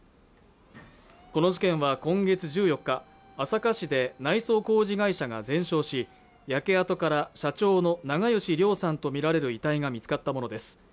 この事件は今月１４日朝霞市で内装工事会社が全焼し焼け跡から社長の長葭良さんとみられる遺体が見つかったものです